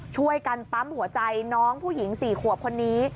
ช่วยกันปั๊มหัวใจน้องผู้หญิง๔ขวบคนนี้